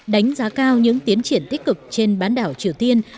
đánh giá cao những tiến triển tích cực trên bán đảo triều tiên